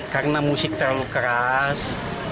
karena musik terlalu keras